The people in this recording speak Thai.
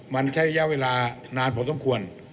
มันใช้ระยะเวลานานพอสมควร